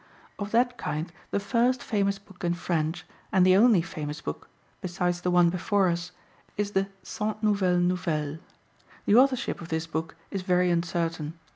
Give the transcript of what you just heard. Of that kind the first famous book in French, and the only famous book, besides the one before us, is the Cent Nouvelles Nouvelles. The authorship of this book is very uncertain.